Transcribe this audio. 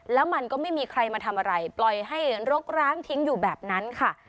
แล้วมันก็ไม่มีใครมาทำอะไรปล่อยให้รกร้างทิ้งอยู่แบบนั้นค่ะ